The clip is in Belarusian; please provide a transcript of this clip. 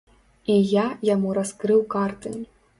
І я яму раскрыў карты.